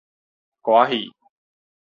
歌仔戲